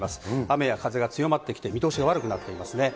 雨や風が強まってきて、見通しが悪くなっていますね。